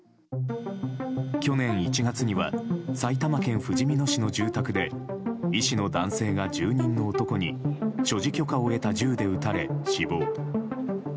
去年１月には埼玉県ふじみ野市の住宅で医師の男性が住人の男に所持許可を得た銃で撃たれ死亡。